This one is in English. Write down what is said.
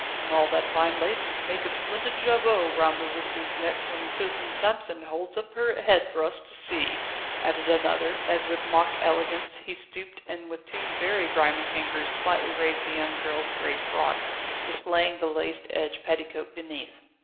"And all that fine lace would make a splendid jabot round the aristo's neck when Citizen Samson holds up her head for us to see," added another, as with mock elegance he stooped and with two very grimy fingers slightly raised the young girl's grey frock, displaying the lace edged petticoat beneath.